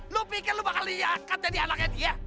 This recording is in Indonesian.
lu pikir lu bakal dinyatakan jadi anaknya dia